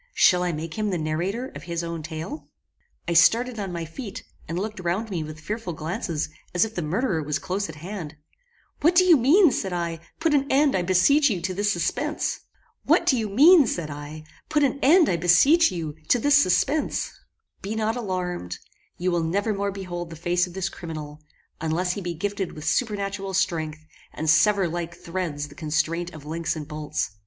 Shall I make him the narrator of his own tale?" I started on my feet, and looked round me with fearful glances, as if the murderer was close at hand. "What do you mean?" said I; "put an end, I beseech you, to this suspence." "Be not alarmed; you will never more behold the face of this criminal, unless he be gifted with supernatural strength, and sever like threads the constraint of links and bolts.